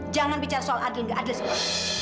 jangan bicara soal adil nggak adil semua